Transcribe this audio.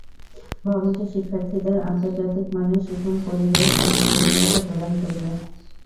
ভবনটি শিক্ষার্থীদের আন্তর্জাতিক মানের শিখন পরিবেশ ও সুযোগ সুবিধা প্রদান করবে।